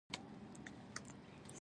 بوره د خوږو تر ټولو عامه ماده ده.